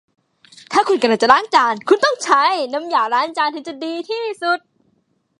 ถ้าคุณกำลังจะล้างจาน คุณต้องใช้น้ำยาล้างจานถึงจะดีที่สุด